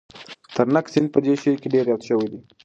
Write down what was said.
د ترنک سیند په دې شعر کې ډېر یاد شوی دی.